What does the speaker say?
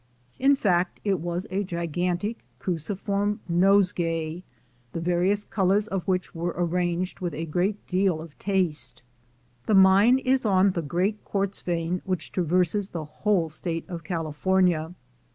In fact, it was a gigantic cruciform nosegay, the various colors of which were arranged with a great deal of taste. This mine is on the great quartz vein which trav erses the whole State of California.